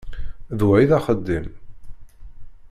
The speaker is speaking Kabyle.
D wa i d axeddim!